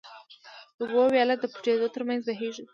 د اوبو وياله د پټيو تر منځ بهيږي.